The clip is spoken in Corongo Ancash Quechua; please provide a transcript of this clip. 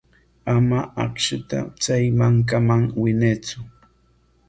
Ama akshuta chay mankaman winaytsu.